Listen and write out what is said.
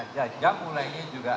jajam mulainya juga